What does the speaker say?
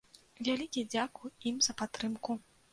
Вялікі дзякуй ім за падтрымку.